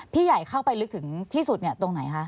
ใหญ่เข้าไปลึกถึงที่สุดตรงไหนคะ